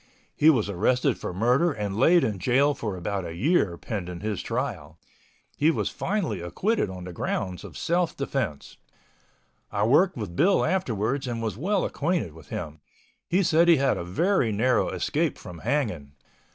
He was arrested for murder and laid in jail for about a year pending his trial. He was finally acquitted on the grounds of self defense. I worked with Bill afterwards and was well acquainted with him. He said he had a very narrow escape from hanging.